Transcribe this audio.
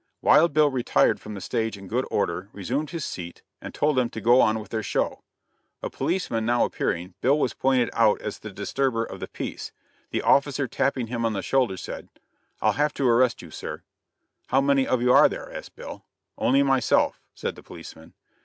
Wild Bill retired from the stage in good order, resumed his seat, and told them to go on with their show. A policeman now appearing, Bill was pointed out as the disturber of the peace; the officer tapping him on the shoulder, said: "I'll have to arrest you, sir." "How many of you are there?" asked Bill. "Only myself," said the policeman.